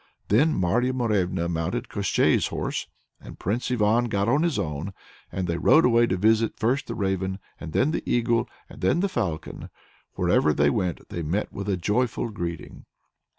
Then Marya Morevna mounted Koshchei's horse and Prince Ivan got on his own, and they rode away to visit first the Raven, and then the Eagle, and then the Falcon. Wherever they went they met with a joyful greeting.